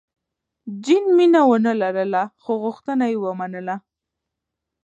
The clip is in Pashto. جین مینه ونه لرله، خو غوښتنه یې ومنله.